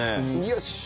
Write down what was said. よし！